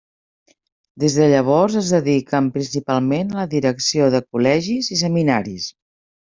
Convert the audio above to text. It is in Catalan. Des de llavors es dediquen principalment a la direcció de col·legis i seminaris.